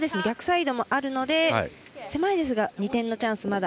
逆サイドもあるので狭いですが２点のチャンス